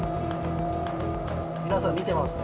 皆さん見てますね。